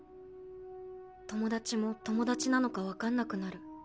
友達も友達なのか分かんなくなる。